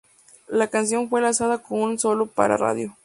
La canción fue lanzada como un solo para radio.